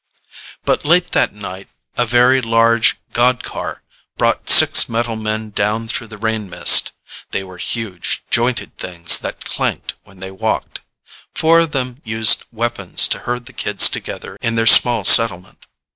But late that night a very large god car brought six metal men down through the rain mist. They were huge, jointed things that clanked when they walked. Four of them used weapons to herd the kids together in their small settlement.